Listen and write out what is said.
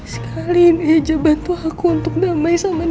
sekali ini aja bantu aku untuk damai sama nino